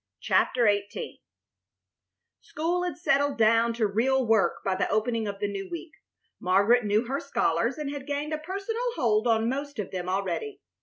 CHAPTER XVIII School had settled down to real work by the opening of the new week. Margaret knew her scholars and had gained a personal hold on most of them already.